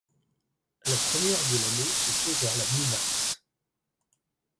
La première de l'année se fait vers la mi-mars.